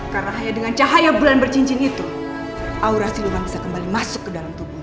karena hanya dengan cahaya bulan bercincin itu aura siluman bisa kembali masuk ke dalam tubuhnya